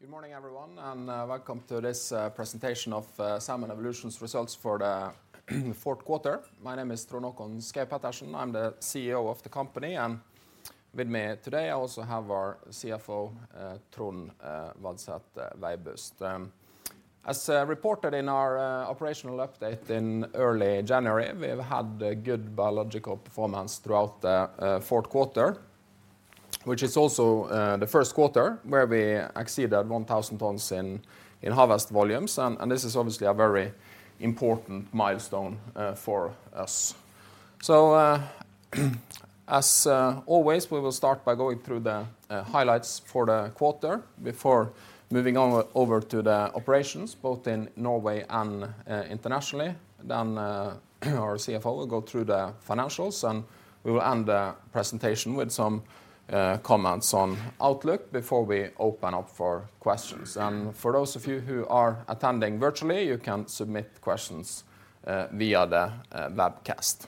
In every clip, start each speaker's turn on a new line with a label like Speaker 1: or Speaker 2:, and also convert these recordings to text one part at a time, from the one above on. Speaker 1: Good morning, everyone, and welcome to this presentation of Salmon Evolution's results for the fourth quarter. My name is Trond Håkon Schaug-Pettersen. I'm the CEO of the company, and with me today, I also have our CFO, Trond Vadset Veibust. As reported in our operational update in early January, we've had a good biological performance throughout the fourth quarter, which is also the first quarter where we exceeded 1,000 tons in harvest volumes. And this is obviously a very important milestone for us. So, as always, we will start by going through the highlights for the quarter before moving on over to the operations, both in Norway and internationally. Then, our CFO will go through the financials, and we will end the presentation with some comments on outlook before we open up for questions. For those of you who are attending virtually, you can submit questions via the webcast.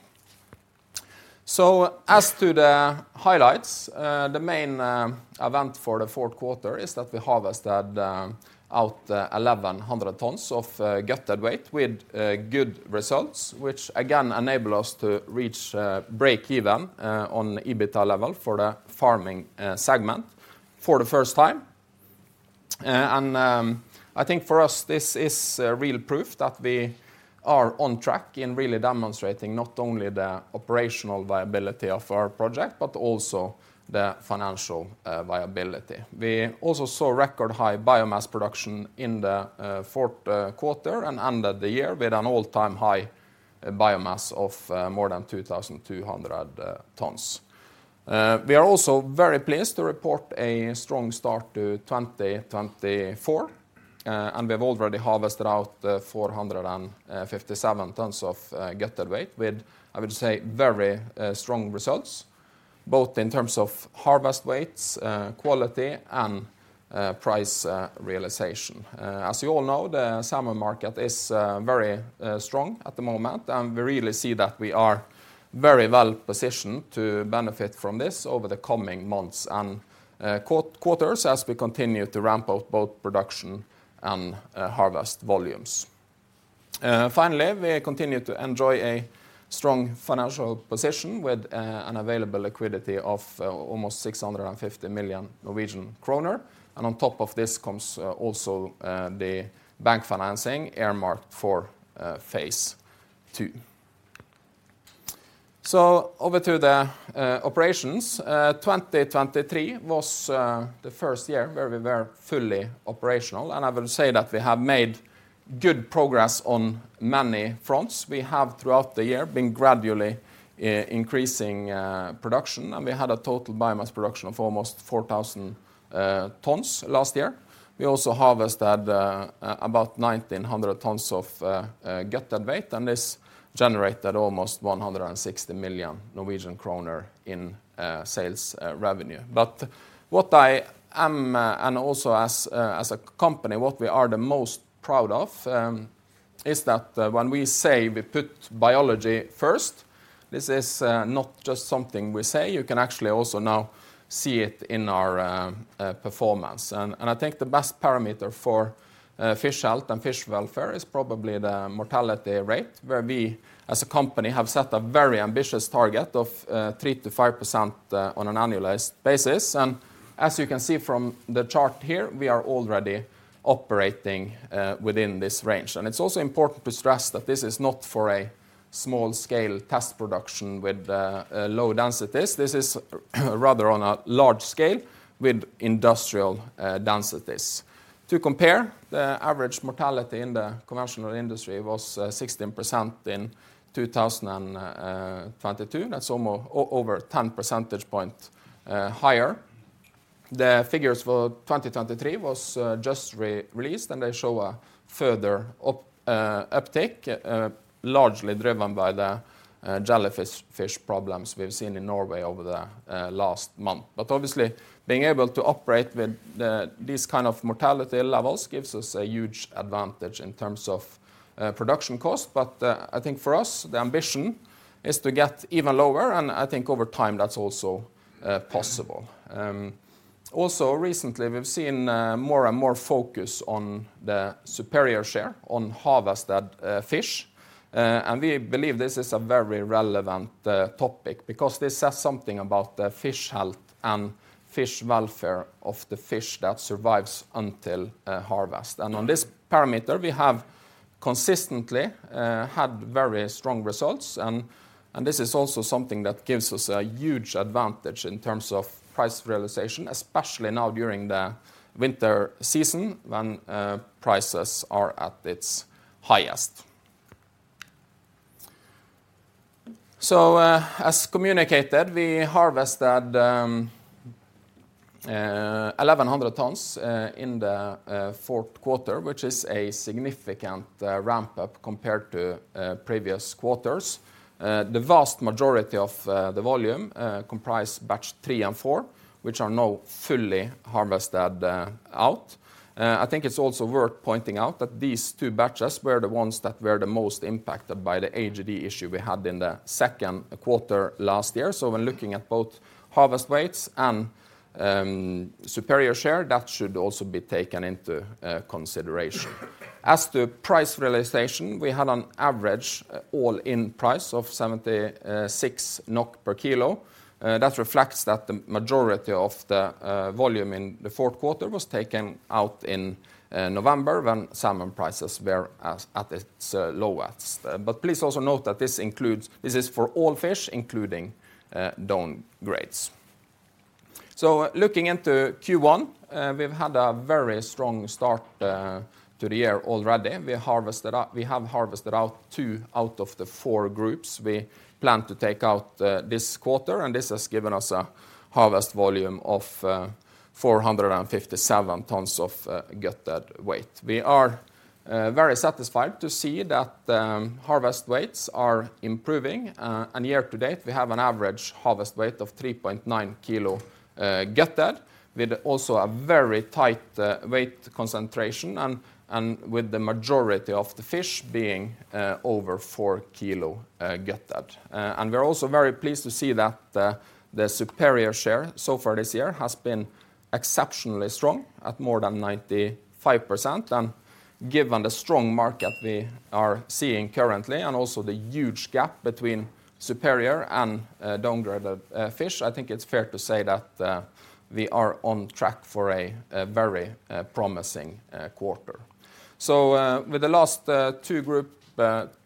Speaker 1: So as to the highlights, the main event for the fourth quarter is that we harvested 1,100 tons of gutted weight with good results, which again enable us to reach breakeven on EBITDA level for the farming segment for the first time. I think for us, this is real proof that we are on track in really demonstrating not only the operational viability of our project, but also the financial viability. We also saw record high biomass production in the fourth quarter and ended the year with an all-time high biomass of more than 2,200 tons. We are also very pleased to report a strong start to 2024, and we've already harvested out 457 tons of gutted weight, with, I would say, very strong results, both in terms of harvest weights, quality, and price realization. As you all know, the salmon market is very strong at the moment, and we really see that we are very well positioned to benefit from this over the coming months and quarters as we continue to ramp up both production and harvest volumes. Finally, we continue to enjoy a strong financial position with an available liquidity of almost 650 million Norwegian kroner. And on top of this comes also the bank financing earmarked for Phase 2. So, over to the operations. 2023 was the first year where we were fully operational, and I will say that we have made good progress on many fronts. We have, throughout the year, been gradually increasing production, and we had a total biomass production of almost 4,000 tons last year. We also harvested about 1,900 tons of gutted weight, and this generated almost 160 million Norwegian kroner in sales revenue. But what I am, and also as, as a company, what we are the most proud of, is that, when we say we put biology first, this is, not just something we say. You can actually also now see it in our, performance. And I think the best parameter for, fish health and fish welfare is probably the mortality rate, where we, as a company, have set a very ambitious target of, 3%-5%, on an annualized basis. And as you can see from the chart here, we are already operating, within this range. And it's also important to stress that this is not for a small-scale test production with, low densities. This is rather on a large scale with industrial, densities. To compare, the average mortality in the conventional industry was 16% in 2022. That's almost over 10 percentage points higher. The figures for 2023 were just released, and they show a further uptick, largely driven by the jellyfish problems we've seen in Norway over the last month. But obviously, being able to operate with these kind of mortality levels gives us a huge advantage in terms of production cost. But I think for us, the ambition is to get even lower, and I think over time, that's also possible. Also recently, we've seen more and more focus on the Superior Share on harvested fish. We believe this is a very relevant topic because this says something about the fish health and fish welfare of the fish that survives until harvest. On this parameter, we have consistently had very strong results, and this is also something that gives us a huge advantage in terms of price realization, especially now during the winter season, when prices are at its highest. So, as communicated, we harvested 1,100 tons in the fourth quarter, which is a significant ramp-up compared to previous quarters. The vast majority of the volume comprised batch three and four, which are now fully harvested out. I think it's also worth pointing out that these two batches were the ones that were the most impacted by the AGD issue we had in the second quarter last year. So when looking at both harvest weights and Superior Share, that should also be taken into consideration. As to price realization, we had on average all-in price of 76 NOK per kilo. That reflects that the majority of the volume in the fourth quarter was taken out in November, when salmon prices were as at its lowest. But please also note that this includes - this is for all fish, including downgrades. So looking into Q1, we've had a very strong start to the year already. We have harvested two out of the four groups we plan to take out this quarter, and this has given us a harvest volume of 457 tons of gutted weight. We are very satisfied to see that the harvest weights are improving, and year to date, we have an average harvest weight of 3.9 kilo gutted, with also a very tight weight concentration and with the majority of the fish being over 4 kilo gutted. And we're also very pleased to see that the Superior Share so far this year has been exceptionally strong at more than 95%. Given the strong market we are seeing currently, and also the huge gap between superior and downgraded fish, I think it's fair to say that we are on track for a very promising quarter. With the last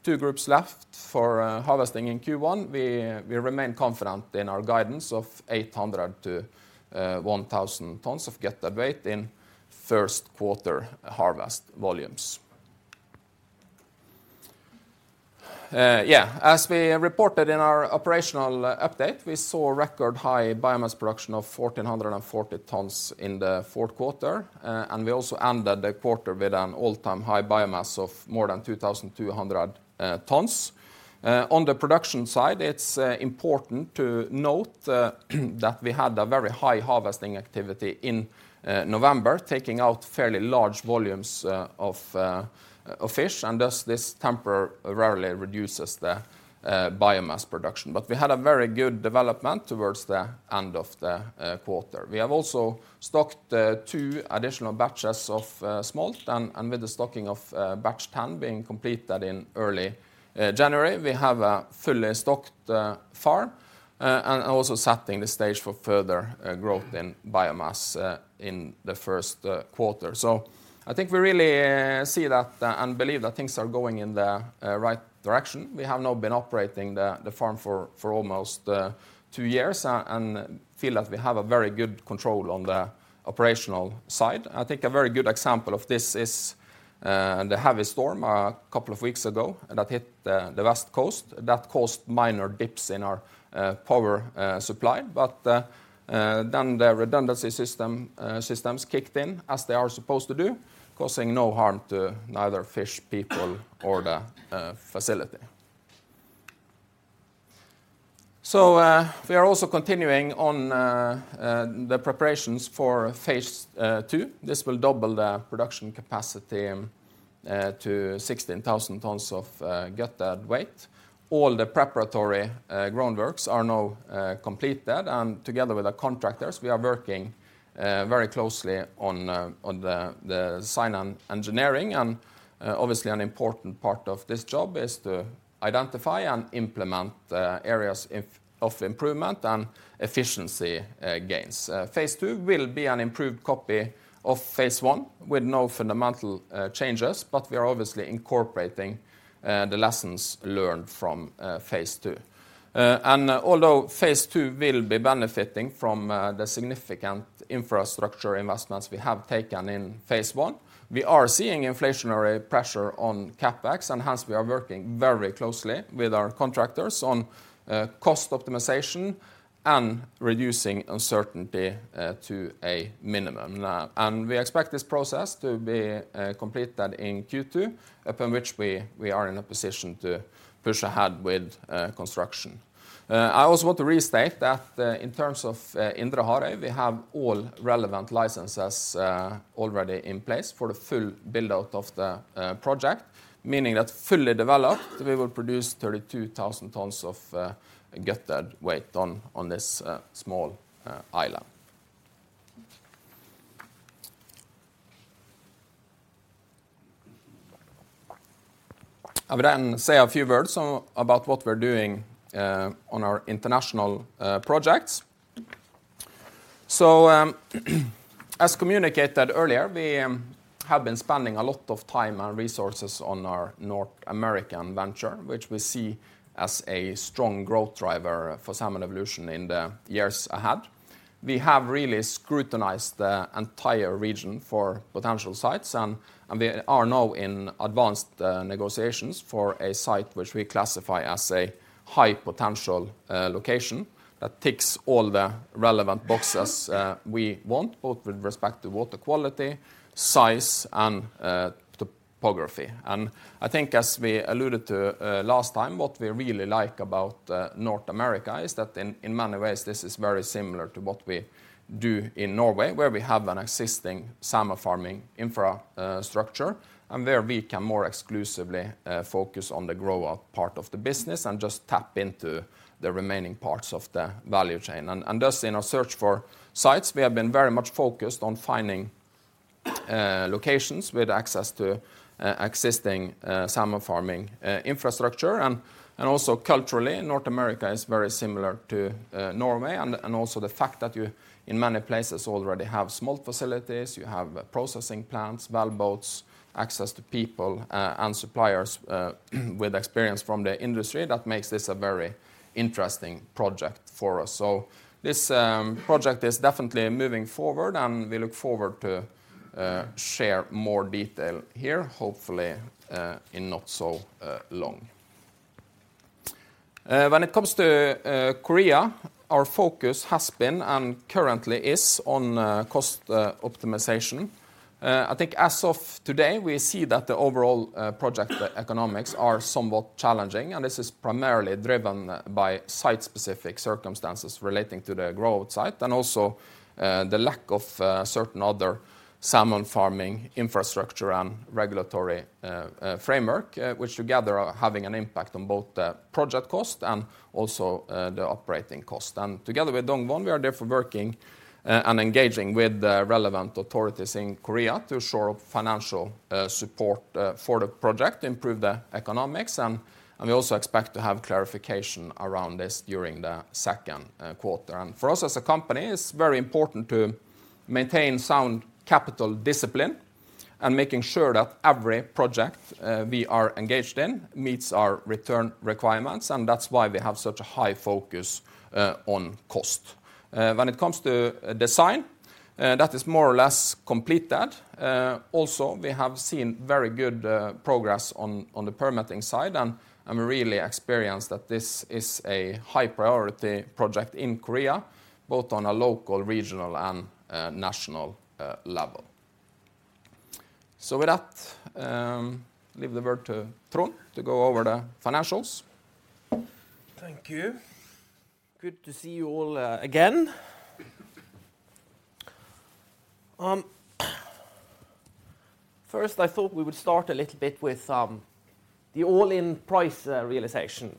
Speaker 1: two groups left for harvesting in Q1, we remain confident in our guidance of 800-1,000 tons of gutted weight in first quarter harvest volumes. Yeah, as we reported in our operational update, we saw record high biomass production of 1,440 tons in the fourth quarter, and we also ended the quarter with an all-time high biomass of more than 2,200 tons. On the production side, it's important to note that we had a very high harvesting activity in November, taking out fairly large volumes of fish, and thus this temporarily reduces the biomass production. But we had a very good development towards the end of the quarter. We have also stocked two additional batches of smolt, and with the stocking of batch 10 being completed in early January, we have a fully stocked farm and also setting the stage for further growth in biomass in the first quarter. So I think we really see that and believe that things are going in the right direction. We have now been operating the farm for almost two years and feel that we have a very good control on the operational side. I think a very good example of this is the heavy storm a couple of weeks ago that hit the West Coast. That caused minor dips in our power supply, but then the redundancy systems kicked in as they are supposed to do, causing no harm to neither fish, people or the facility. So we are also continuing on the preparations for Phase 2. This will double the production capacity to 16,000 tons of gutted weight. All the preparatory groundworks are now completed, and together with the contractors, we are working very closely on the design and engineering. Obviously, an important part of this job is to identify and implement the areas of improvement and efficiency gains. Phase 2 will be an improved copy of Phase 1, with no fundamental changes, but we are obviously incorporating the lessons learned from Phase 2. And although Phase 2 will be benefiting from the significant infrastructure investments we have taken in Phase 1, we are seeing inflationary pressure on CapEx, and hence we are working very closely with our contractors on cost optimization and reducing uncertainty to a minimum. And we expect this process to be completed in Q2, upon which we are in a position to push ahead with construction. I also want to restate that in terms of Indre Harøy, we have all relevant licenses already in place for the full build-out of the project, meaning that fully developed, we will produce 32,000 tons of gutted weight on this small island. I would then say a few words on about what we're doing on our international projects. So, as communicated earlier, we have been spending a lot of time and resources on our North American venture, which we see as a strong growth driver for Salmon Evolution in the years ahead. We have really scrutinized the entire region for potential sites, and we are now in advanced negotiations for a site which we classify as a high-potential location that ticks all the relevant boxes we want, both with respect to water quality, size, and topography. And I think as we alluded to last time, what we really like about North America is that in many ways, this is very similar to what we do in Norway, where we have an existing salmon farming infrastructure, and where we can more exclusively focus on the grow-out part of the business and just tap into the remaining parts of the value chain. Thus, in our search for sites, we have been very much focused on finding locations with access to existing salmon farming infrastructure. And also culturally, North America is very similar to Norway, and also the fact that you, in many places, already have smolt facilities, you have processing plants, wellboats, access to people, and suppliers, with experience from the industry, that makes this a very interesting project for us. So this project is definitely moving forward, and we look forward to share more detail here, hopefully, in not so long. When it comes to Korea, our focus has been, and currently is, on cost optimization. I think as of today, we see that the overall project economics are somewhat challenging, and this is primarily driven by site-specific circumstances relating to the growth site, and also the lack of certain other salmon farming infrastructure and regulatory framework, which together are having an impact on both the project cost and also the operating cost. And together with Dongwon, we are therefore working and engaging with the relevant authorities in Korea to shore up financial support for the project, improve the economics, and we also expect to have clarification around this during the second quarter. For us as a company, it's very important to maintain sound capital discipline and making sure that every project we are engaged in meets our return requirements, and that's why we have such a high focus on cost. When it comes to design, that is more or less completed. Also, we have seen very good progress on the permitting side, and I'm really impressed that this is a high priority project in Korea, both on a local, regional, and national level. So with that, leave the word to Trond to go over the financials.
Speaker 2: Thank you. Good to see you all again. First, I thought we would start a little bit with the all-in price realization.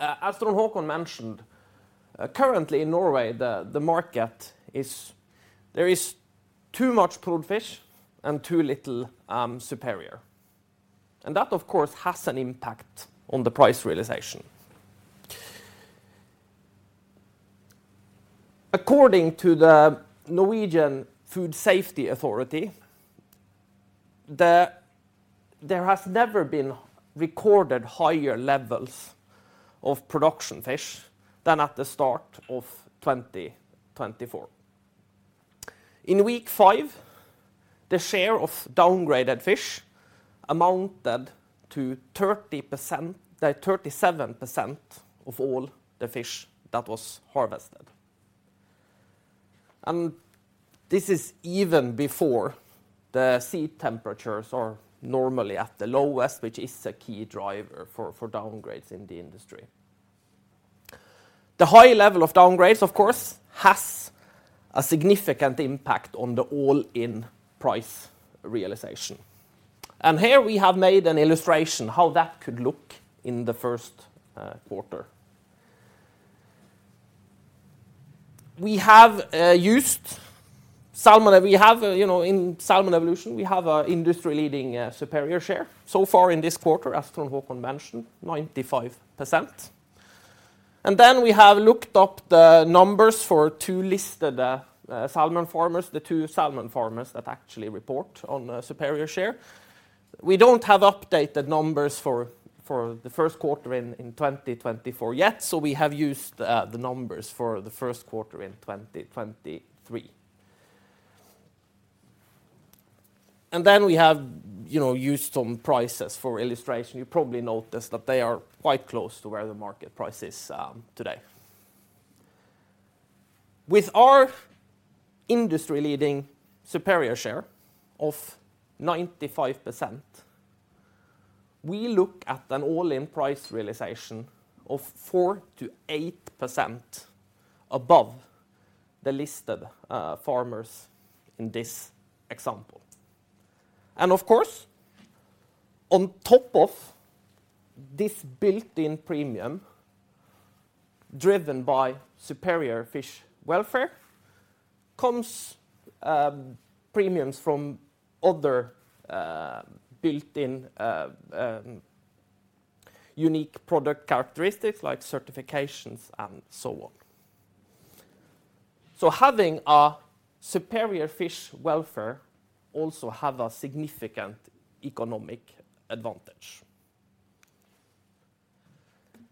Speaker 2: As Trond Håkon mentioned, currently in Norway, the market is. There is too much poor fish and too little Superior. And that, of course, has an impact on the price realization. According to the Norwegian Food Safety Authority, there has never been recorded higher levels of production fish than at the start of 2024. In week five, the share of downgraded fish amounted to 30%, the 37% of all the fish that was harvested. And this is even before the sea temperatures are normally at the lowest, which is a key driver for downgrades in the industry. The high level of downgrades, of course, has a significant impact on the all-in price realization. Here we have made an illustration how that could look in the first quarter. We have, you know, in Salmon Evolution, we have an industry-leading Superior Share. So far in this quarter, as Trond Håkon mentioned, 95%. Then we have looked up the numbers for two listed salmon farmers, the two salmon farmers that actually report on a Superior Share. We don't have updated numbers for the first quarter in 2024 yet, so we have used the numbers for the first quarter in 2023. Then we have, you know, used some prices for illustration. You probably noticed that they are quite close to where the market price is today. With our industry-leading Superior Share of 95%, we look at an all-in price realization of 4%-8% above the listed farmers in this example. And of course, on top of this built-in premium, driven by superior fish welfare, comes premiums from other built-in unique product characteristics, like certifications and so on. So having a Superior Fish Welfare also have a significant economic advantage.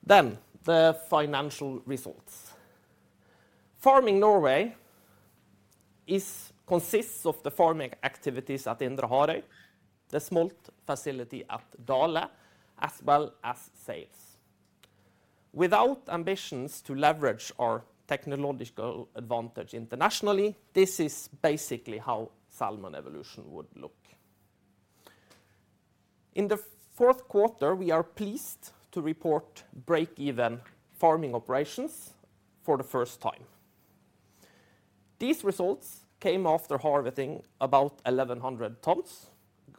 Speaker 2: Then, the financial results. Farming Norway consists of the farming activities at Indre Harøy, the smolt facility at Dale, as well as sales. Without ambitions to leverage our technological advantage internationally, this is basically how Salmon Evolution would look. In the fourth quarter, we are pleased to report breakeven farming operations for the first time. These results came after harvesting about 1,100 tons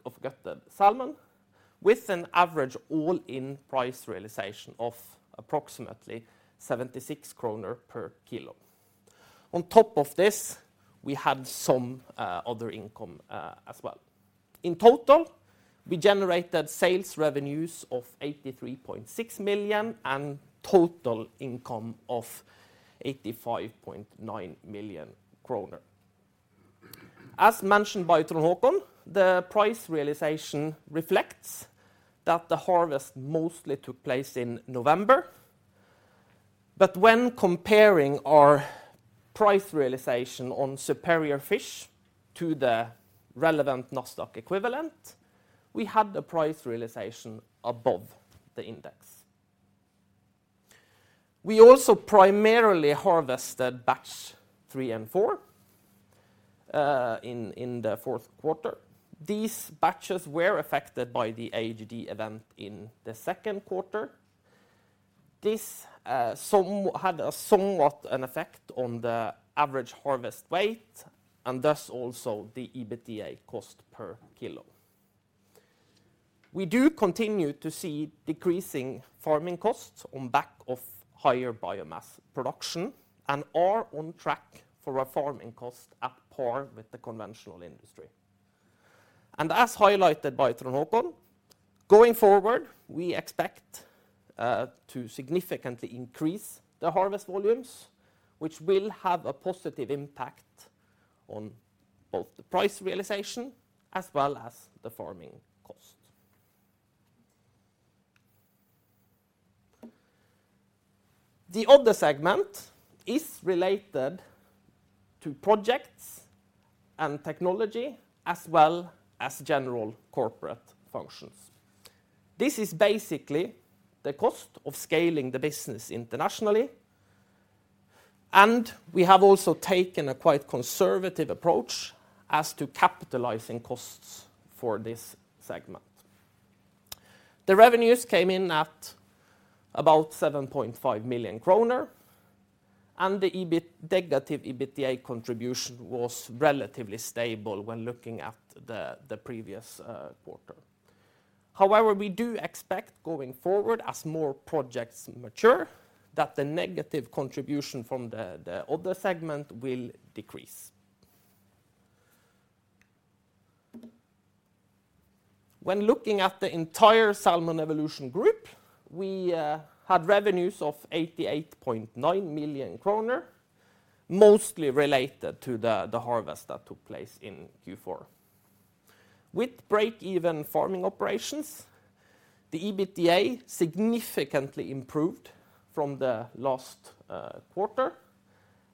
Speaker 2: of gutted salmon. With an average all-in price realization of approximately 76 kroner per kilo. On top of this, we had some other income as well. In total, we generated sales revenues of 83.6 million and total income of 85.9 million kroner. As mentioned by Trond Håkon, the price realization reflects that the harvest mostly took place in November. But when comparing our price realization on Superior Fish to the relevant NASDAQ equivalent, we had a price realization above the index. We also primarily harvested batch three and four in the fourth quarter. These batches were affected by the AGD event in the second quarter. This had a somewhat an effect on the average harvest weight, and thus also the EBITDA cost per kilo. We do continue to see decreasing farming costs on back of higher biomass production and are on track for a farming cost at par with the conventional industry. And as highlighted by Trond Håkon, going forward, we expect to significantly increase the harvest volumes, which will have a positive impact on both the price realization as well as the farming cost. The other segment is related to projects and technology, as well as general corporate functions. This is basically the cost of scaling the business internationally, and we have also taken a quite conservative approach as to capitalizing costs for this segment. The revenues came in at about 7.5 million kroner, and the EBITDA-negative contribution was relatively stable when looking at the previous quarter. However, we do expect going forward, as more projects mature, that the negative contribution from the other segment will decrease. When looking at the entire Salmon Evolution Group, we had revenues of 88.9 million kroner, mostly related to the harvest that took place in Q4. With breakeven farming operations, the EBITDA significantly improved from the last quarter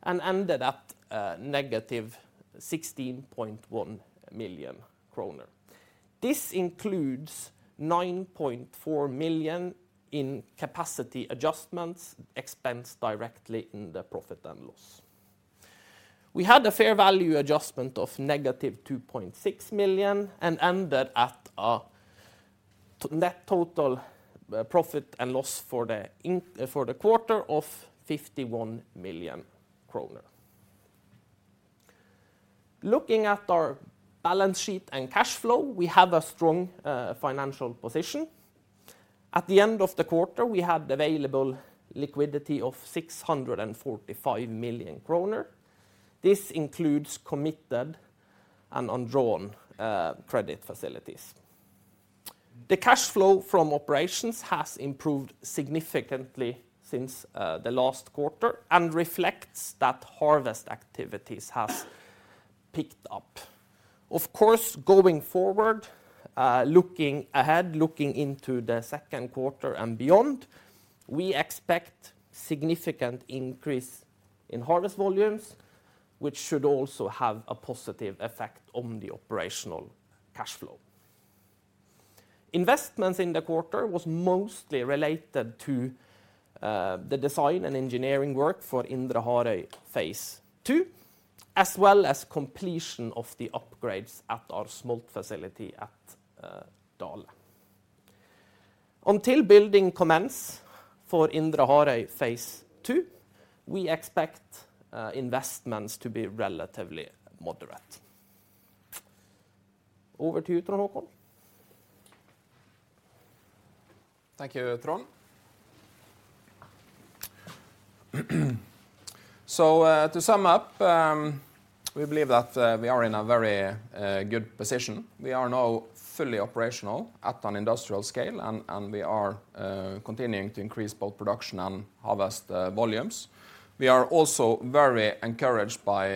Speaker 2: and ended up -16.1 million kroner. This includes 9.4 million in capacity adjustments, expensed directly in the profit and loss. We had a fair value adjustment of -2.6 million and ended at a net total profit and loss for the quarter of 51 million kroner. Looking at our balance sheet and cash flow, we have a strong financial position. At the end of the quarter, we had available liquidity of 645 million kroner. This includes committed and undrawn credit facilities. The cash flow from operations has improved significantly since the last quarter and reflects that harvest activities has picked up. Of course, going forward, looking ahead, looking into the second quarter and beyond, we expect significant increase in harvest volumes, which should also have a positive effect on the operational cash flow. Investments in the quarter was mostly related to the design and engineering work for Indre Harøy Phase 2, as well as completion of the upgrades at our Smolt Facility at Dale. Until building commence for Indre Harøy Phase 2, we expect investments to be relatively moderate. Over to you, Trond Håkon.
Speaker 1: Thank you, Trond. So, to sum up, we believe that we are in a very good position. We are now fully operational at an industrial scale, and we are continuing to increase both production and harvest volumes. We are also very encouraged by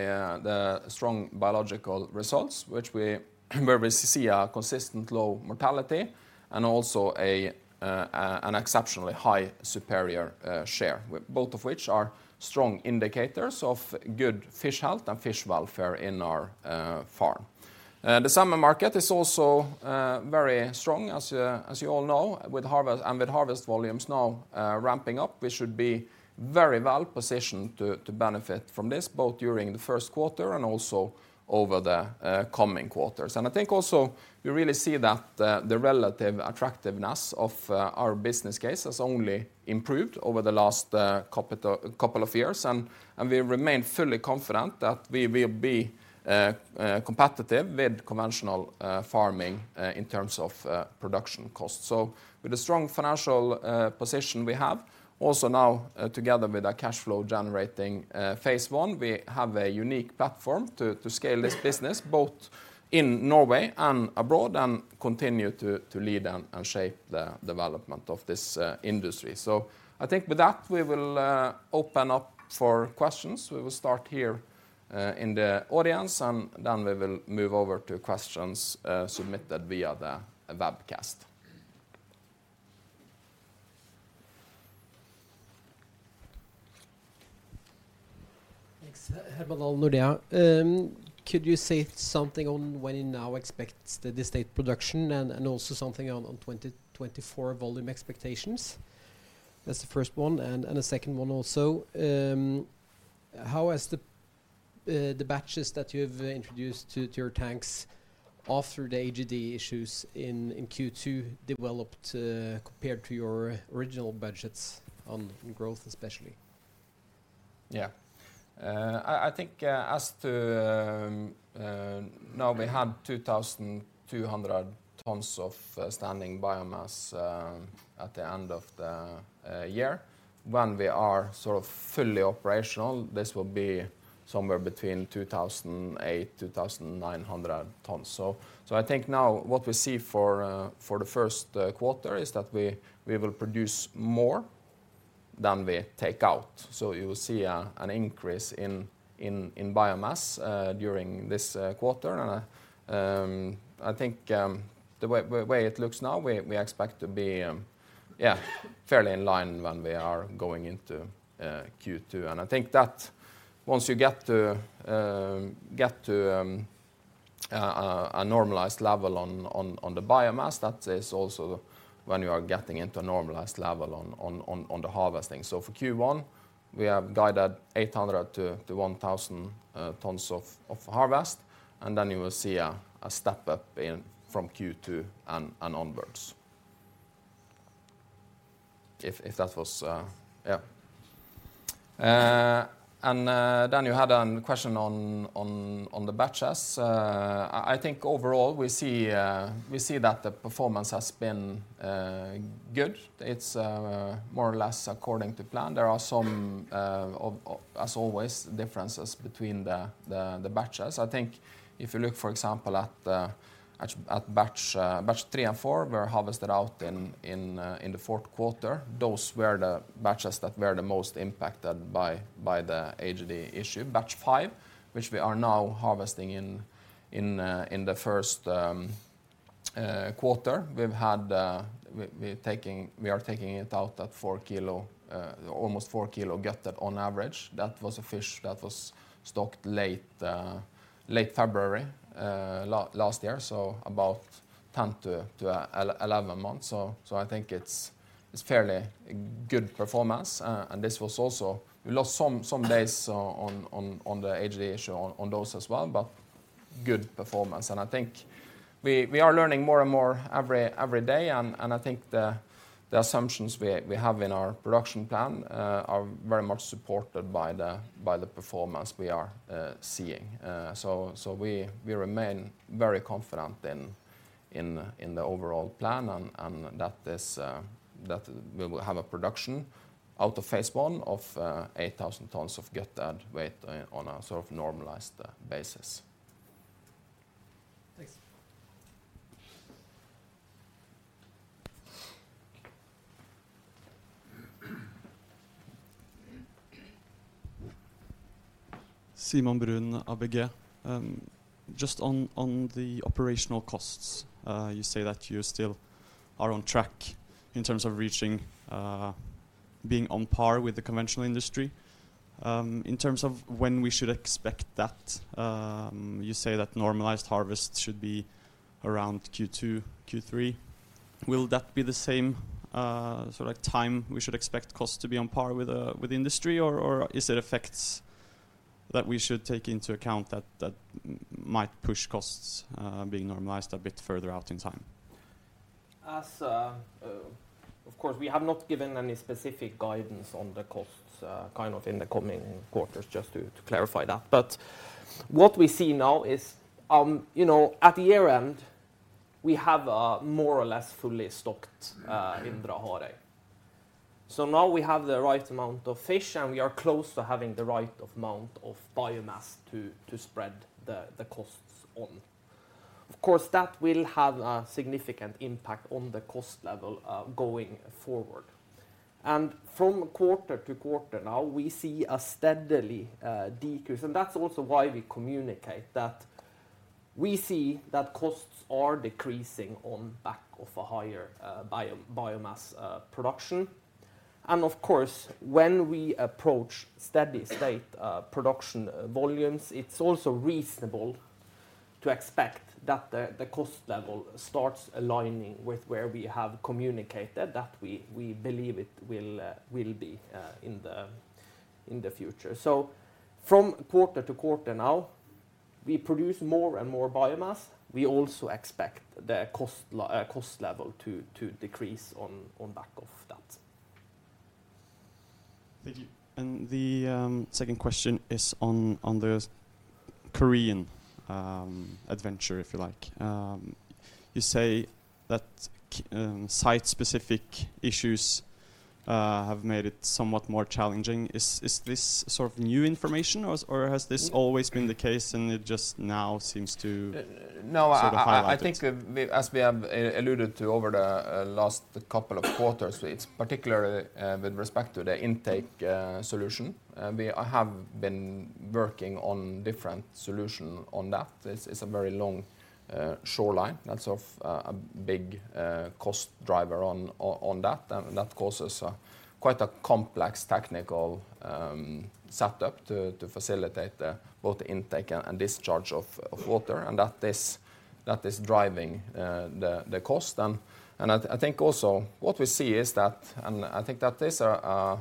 Speaker 1: the strong biological results, where we see a consistent low mortality and also an exceptionally high Superior Share, with both of which are strong indicators of good fish health and fish welfare in our farm. The summer market is also very strong, as you all know, with harvest volumes now ramping up, we should be very well positioned to benefit from this, both during the first quarter and also over the coming quarters. I think also you really see that the relative attractiveness of our business case has only improved over the last couple of years. And we remain fully confident that we will be competitive with conventional farming in terms of production costs. So with the strong financial position we have, also now, together with our cash flow generating Phase 1, we have a unique platform to scale this business, both in Norway and abroad, and continue to lead and shape the development of this industry. So I think with that, we will open up for questions. We will start here in the audience, and then we will move over to questions submitted via the webcast.
Speaker 3: Thanks. Herman Nordea. Could you say something on when you now expect the estate production and also something on 2024 volume expectations? That's the first one. And the second one also, how has the batches that you've introduced to your tanks after the AGD issues in Q2 developed compared to your original budgets on growth, especially?
Speaker 1: Yeah. I think, as to, now we had 2,200 tons of standing biomass at the end of the year. When we are sort of fully operational, this will be somewhere between 2,800-2,900 tons. So, I think now what we see for the first quarter is that we will produce more than we take out. So you will see an increase in biomass during this quarter. And, I think, the way it looks now, we expect to be, yeah, fairly in line when we are going into Q2. I think that once you get to a normalized level on the biomass, that is also when you are getting into a normalized level on the harvesting. So for Q1, we have guided 800-1,000 tons of harvest, and then you will see a step up from Q2 and onwards. And then you had a question on the batches. I think overall we see that the performance has been good. It's more or less according to plan. There are some, as always, differences between the batches. I think if you look, for example, at Batch 3 and 4, were harvested out in the fourth quarter. Those were the batches that were the most impacted by the AGD issue. Batch 5, which we are now harvesting in the first quarter, we are taking it out at four kilo, almost four kilo gutted on average. That was a fish that was stocked late February last year, so about 10-11 months. So I think it's fairly good performance. And this was also lost some days on the AGD issue on those as well, but good performance. And I think we are learning more and more every day, and I think the assumptions we have in our production plan are very much supported by the performance we are seeing. So we remain very confident in the overall plan and that we will have a production out of Phase 1 of 8,000 tons of gutted weight on a sort of normalized basis.
Speaker 3: Thanks.
Speaker 4: Martin Kaland, ABG. Just on, on the operational costs, you say that you still are on track in terms of reaching, being on par with the conventional industry. In terms of when we should expect that, you say that normalized harvest should be around Q2, Q3. Will that be the same, sort of time we should expect costs to be on par with the industry? Or is there effects that we should take into account that, that might push costs, being normalized a bit further out in time?
Speaker 2: As of course, we have not given any specific guidance on the costs, kind of in the coming quarters, just to clarify that. But what we see now is, you know, at the year-end, we have a more or less fully stocked in Indre Harøy. So now we have the right amount of fish, and we are close to having the right amount of biomass to spread the costs on. Of course, that will have a significant impact on the cost level going forward. And from quarter to quarter now, we see a steadily decrease, and that's also why we communicate that we see that costs are decreasing on back of a higher biomass production. And of course, when we approach steady state production volumes, it's also reasonable to expect that the cost level starts aligning with where we have communicated, that we believe it will be in the future. So from quarter to quarter now, we produce more and more biomass. We also expect the cost level to decrease on back of that.
Speaker 4: Thank you. And the second question is on the Korean adventure, if you like. You say that site-specific issues have made it somewhat more challenging. Is this sort of new information, or has this always been the case and it just now seems to sort of highlight it?
Speaker 2: I think as we have alluded to over the last couple of quarters, it's particularly with respect to the intake solution we have been working on different solution on that. It's a very long shoreline. That's a big cost driver on that, and that causes quite a complex technical setup to facilitate the both intake and discharge of water, and that is driving the cost. And I think also what we see is that, and I think that is a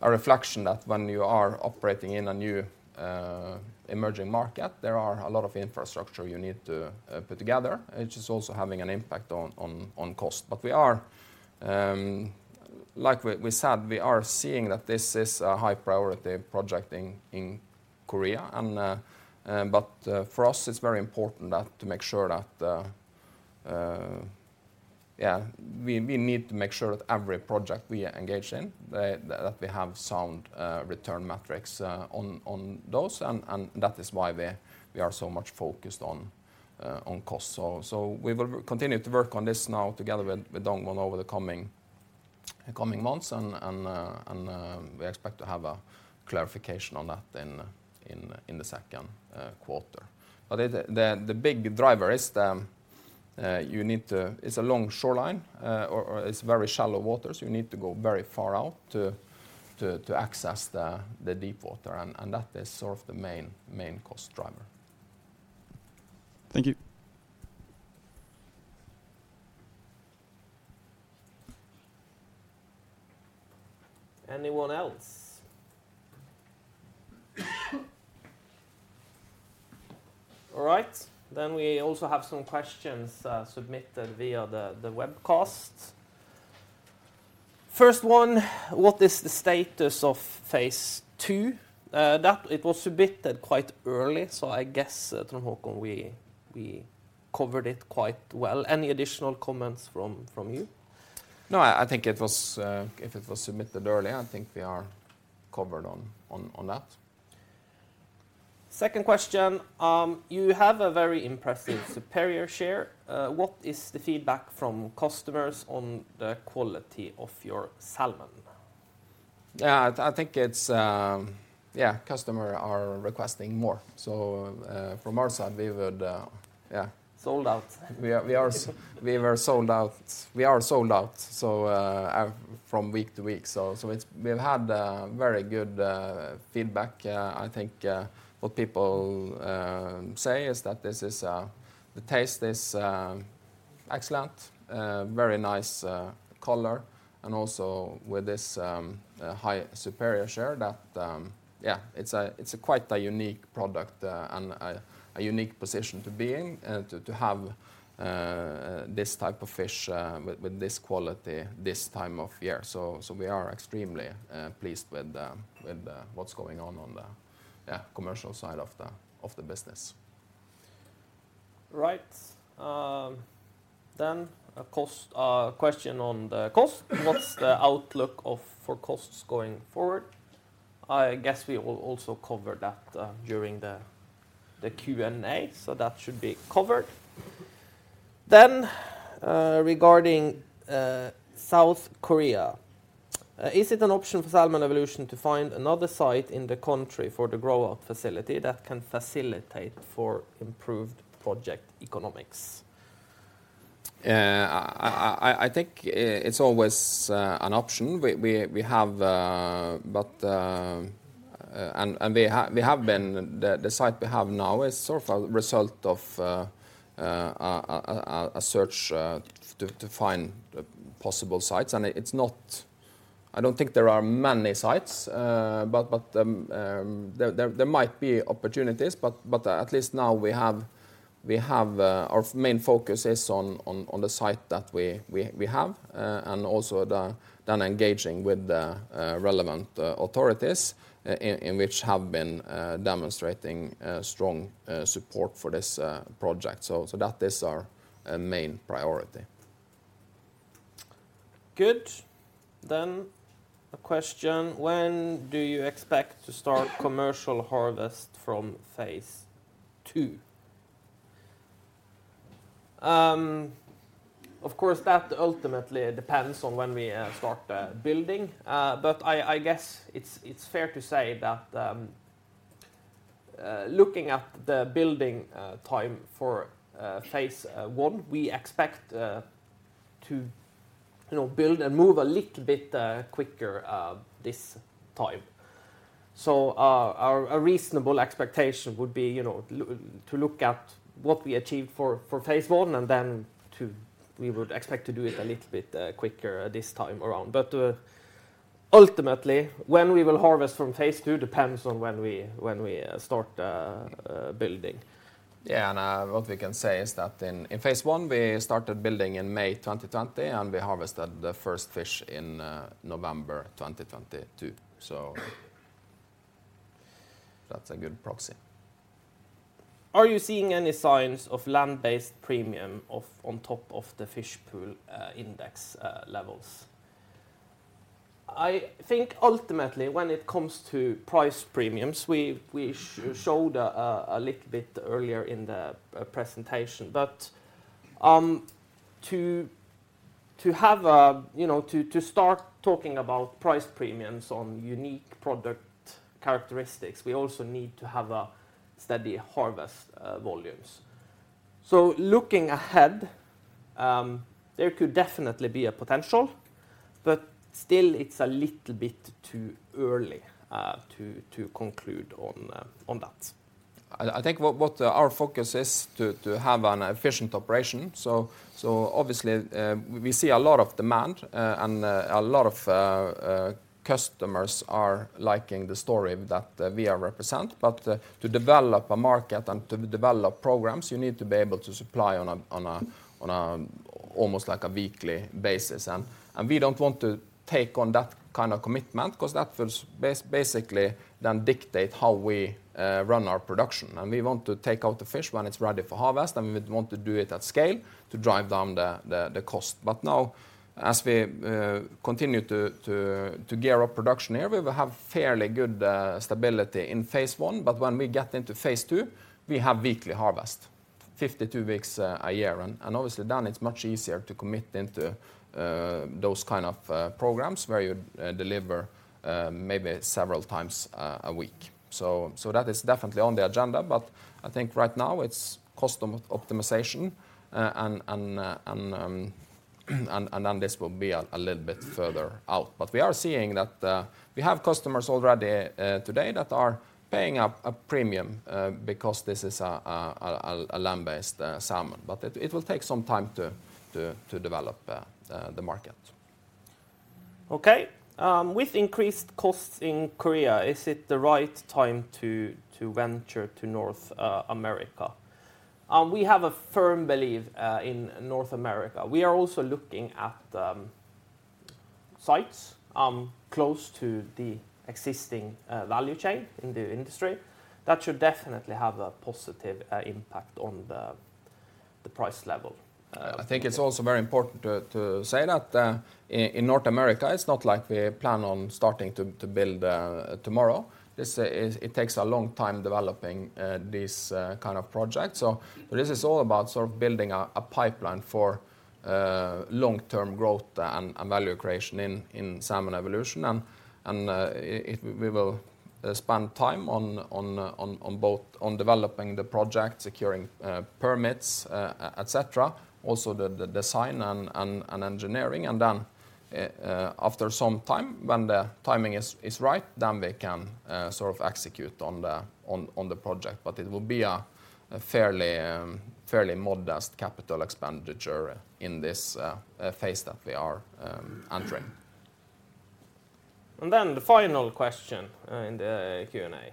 Speaker 2: reflection that when you are operating in a new emerging market, there are a lot of infrastructure you need to put together, which is also having an impact on cost. But we are, like we said, we are seeing that this is a high-priority project in Korea, and, but for us, it's very important to make sure that. Yeah, we need to make sure that every project we are engaged in, that we have sound return metrics on those, and that is why we're so much focused on cost. So we will continue to work on this now together with Dongwon over the coming months, and we expect to have a clarification on that in the second quarter. But the big driver is the, you need to, it's a long shoreline, or it's very shallow waters, you need to go very far out to access the deep water, and that is sort of the main cost driver.
Speaker 4: Thank you.
Speaker 2: Anyone else? All right. Then we also have some questions submitted via the webcast. First one: What is the status of Phase 2? That it was submitted quite early, so I guess, Trond Håkon, we covered it quite well. Any additional comments from you?
Speaker 1: No, I think it was, if it was submitted early, I think we are covered on that.
Speaker 2: Second question: You have a very impressive Superior Share. What is the feedback from customers on the quality of your salmon?
Speaker 1: Yeah, I think it's. Yeah, customers are requesting more. So, from our side, we would, yeah, sold out. We are, we were sold out, we are sold out, so, from week to week. So, it's, we've had very good feedback. I think, what people say is that this is, the taste is excellent, very nice color, and also with this high Superior Share, that, yeah, it's a, it's a quite a unique product, and a unique position to be in, to have this type of fish with this quality, this time of year. So, we are extremely pleased with what's going on on the commercial side of the business.
Speaker 2: Right. Then, of course, a question on the cost. What's the outlook for costs going forward? I guess we will also cover that during the Q&A, so that should be covered. Then, regarding South Korea, is it an option for Salmon Evolution to find another site in the country for the grow-out facility that can facilitate for improved project economics?
Speaker 1: I think it's always an option. We have been, the site we have now is sort of a result of a search to find the possible sites, and it's not, I don't think there are many sites, but there might be opportunities. But at least now we have our main focus on the site that we have and also then engaging with the relevant authorities in which have been demonstrating strong support for this project. So that is our main priority.
Speaker 2: Good. Then a question: When do you expect to start commercial harvest from Phase 2?
Speaker 1: Of course, that ultimately depends on when we start building. But I guess it's fair to say that looking at the building time for Phase 1, we expect to, you know, build and move a little bit quicker this time. So, a reasonable expectation would be, you know, to look at what we achieved for Phase 1, and then we would expect to do it a little bit quicker this time around. But, ultimately, when we will harvest from Phase 2 depends on when we start building. Yeah, and what we can say is that in Phase 1, we started building in May 2020, and we harvested the first fish in November 2022. So that's a good proxy.
Speaker 2: Are you seeing any signs of land-based premium on top of the Fish Pool Index levels?
Speaker 1: I think ultimately, when it comes to price premiums, we showed a little bit earlier in the presentation. But to have a, you know, to start talking about price premiums on unique product characteristics, we also need to have a steady harvest volumes. So looking ahead, there could definitely be a potential, but still it's a little bit too early to conclude on that. I think what our focus is to have an efficient operation. So obviously, we see a lot of demand, and a lot of customers are liking the story that we represent. But to develop a market and to develop programs, you need to be able to supply on an almost like a weekly basis. And we don't want to take on that kind of commitment, 'cause that will basically then dictate how we run our production. And we want to take out the fish when it's ready for harvest, and we would want to do it at scale to drive down the cost. But now, as we continue to gear up production here, we will have fairly good stability in Phase 1. But when we get into Phase 2, we have weekly harvest, 52 weeks a year. And obviously then it's much easier to commit into those kind of programs where you deliver maybe several times a week. So that is definitely on the agenda, but I think right now it's customer optimization, and then this will be a little bit further out. But we are seeing that we have customers already today that are paying a premium because this is a land-based salmon. But it will take some time to develop the market.
Speaker 2: Okay. With increased costs in Korea, is it the right time to venture to North America? We have a firm belief in North America. We are also looking at sites close to the existing value chain in the industry. That should definitely have a positive impact on the price level.
Speaker 1: I think it's also very important to say that in North America, it's not like we plan on starting to build tomorrow. This takes a long time developing this kind of project. So this is all about sort of building a pipeline for long-term growth and value creation in Salmon Evolution. We will spend time on developing the project, securing permits, etc.. Also, the design and engineering, and then after some time, when the timing is right, then we can sort of execute on the project. But it will be a fairly modest capital expenditure in this phase that we are entering.
Speaker 2: And then the final question in the Q&A.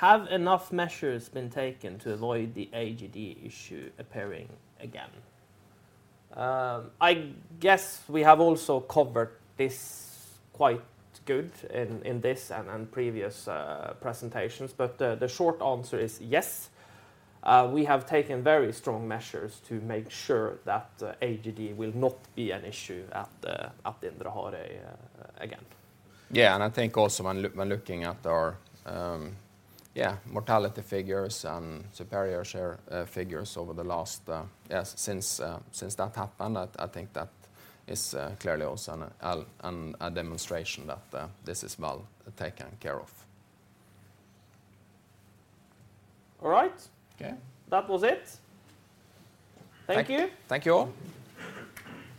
Speaker 2: Have enough measures been taken to avoid the AGD issue appearing again?
Speaker 1: I guess we have also covered this quite good in this and in previous presentations, but the short answer is yes. We have taken very strong measures to make sure that AGD will not be an issue at Indre Harøy again. Yeah, and I think also when looking at our, yeah, mortality figures and Superior Share figures over the last. Yes, since, since that happened, I think that is clearly also a demonstration that this is well taken care of.
Speaker 2: All right.
Speaker 1: Okay.
Speaker 2: That was it. Thank you.
Speaker 1: Thank you all.